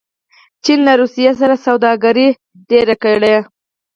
چین له روسیې سره سوداګري ډېره کړې.